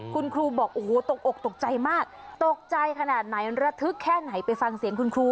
คุณครูบอกโอ้โหตกอกตกใจมากตกใจขนาดไหนระทึกแค่ไหนไปฟังเสียงคุณครู